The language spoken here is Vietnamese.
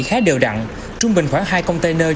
khá đều đặn trung bình khoảng hai container